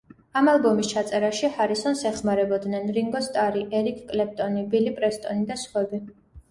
ამ ალბომის ჩაწერაში ჰარისონს ეხმარებოდნენ: რინგო სტარი, ერიკ კლეპტონი, ბილი პრესტონი და სხვები.